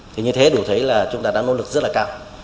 thì như thế đủ thấy là chúng ta đã nỗ lực rất là cao